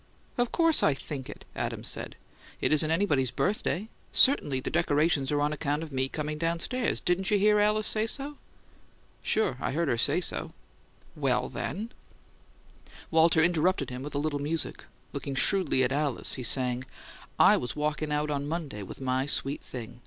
"Of course I'll think it," Adams said. "It isn't anybody's birthday. Certainly the decorations are on account of me coming downstairs. Didn't you hear Alice say so?" "Sure, I heard her say so." "Well, then " Walter interrupted him with a little music. Looking shrewdly at Alice, he sang: "I was walkin' out on Monday with my sweet thing.